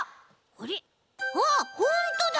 あっほんとだ！